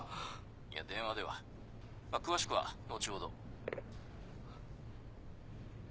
いや電話では詳しくは後ほど。